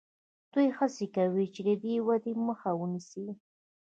دوی هڅه کوي چې د دې ودې مخه ونیسي.